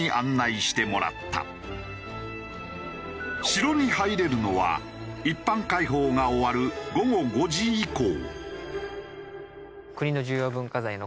城に入れるのは一般開放が終わる午後５時以降。